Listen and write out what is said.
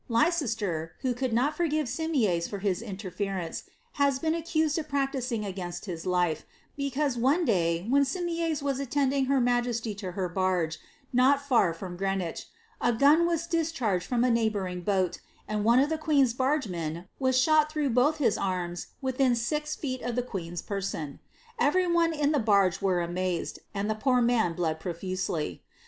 ^ Leicester, wtio could e Simiers for his interference, has been accused of practising 3 life, because one day when Simiers was attending her ma er barge, not far from Greenwich, a gun was discharged from uring boat, and one of the queen's bargemen was shot through irms within six feet of the queen's person. Every one in the e amazed, and the poor man bled profusely.